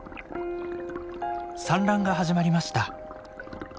産卵が始まりました。